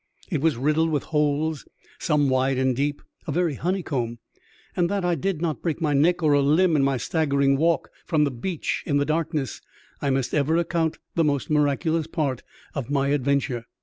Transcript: It was riddled with holes, some wide and deep — a very honeycomb, and that I did not break my neck or a limb in my staggering walk from the beach in the darkness, I must ever account the most miraculous part of my adventure.